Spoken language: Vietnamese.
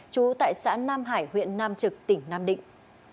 trú tại xã nam hải huyện nam trực tỉnh nam định